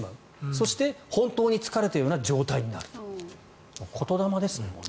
そして、本当に疲れたような状態になると。